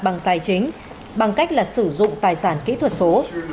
bằng tài chính bằng cách là sử dụng tài sản kỹ thuật số